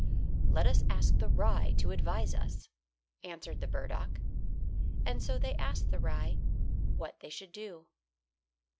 "Let us ask the rye to advise us," answered the burdock. And so they asked the rye what they should do.